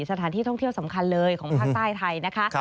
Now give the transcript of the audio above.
สถานที่ท่องเที่ยวสำคัญเลยของภาคใต้ไทยนะคะ